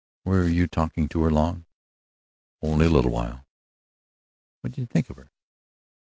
Were you talking to her long?" "Only a little while." "What did you think of her?"